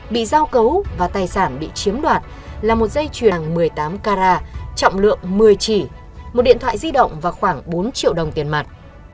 bị giao cấu và tài sản bị chiếm đoạt là một dây chuyền một mươi tám carat trọng lượng một mươi chỉ một điện thoại di động và khoảng bốn triệu đồng tiền mặt